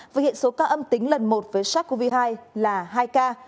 và hiện số ca âm tính lần một với sars cov hai là hai ca